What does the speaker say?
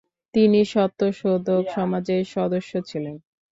তিনি সত্যশোধক সমাজের সদস্য ছিলেন।